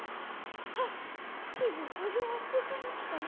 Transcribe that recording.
あっ刑事手錠を忘れちゃいましたよ。